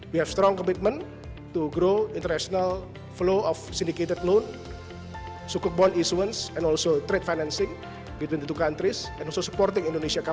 kami juga mendukung perusahaan indonesia untuk masuk ke negara tengah dan afrika